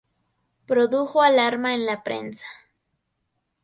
Produjo alarma en la prensa.